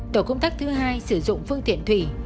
tổ công tác thứ hai sử dụng phương tiện thủy